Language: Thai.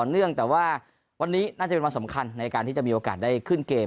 เนื่องแต่ว่าวันนี้น่าจะเป็นวันสำคัญในการที่จะมีโอกาสได้ขึ้นเกม